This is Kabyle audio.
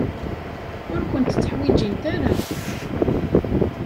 Ur kent-tteḥwijint ara.